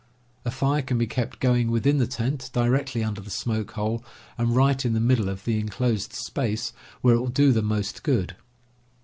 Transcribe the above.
A fire can be kept going within the tent, directly under the smoke hole, and right in the middle of the inclosed space, where it will do the most good.